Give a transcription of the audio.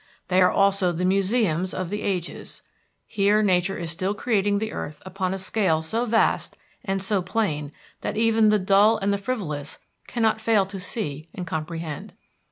They are also the museums of the ages. Here nature is still creating the earth upon a scale so vast and so plain that even the dull and the frivolous cannot fail to see and comprehend.